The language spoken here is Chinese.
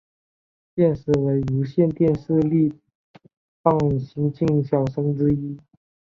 现时为无线电视力捧新晋小生之一。